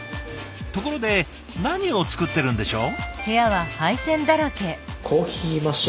ところで何を作ってるんでしょう？